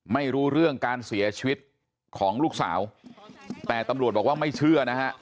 ไม่รู้เรื่องการเสียชีวิตของลูกสาวแต่ตำรวจบอกว่าไม่เชื่อนะฮะ